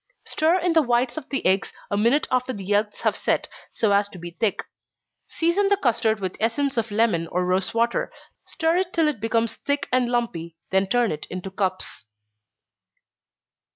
Stir in the whites of the eggs a minute after the yelks have set, so as to be thick. Season the custard with essence of lemon or rosewater stir it till it becomes thick and lumpy, then turn it into cups.